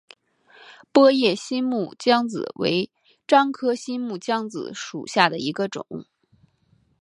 波叶新木姜子为樟科新木姜子属下的一个种。